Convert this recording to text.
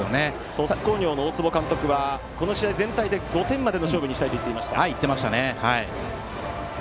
鳥栖工業の大坪監督はこの試合全体で５点までの勝負にしたいと言っていました。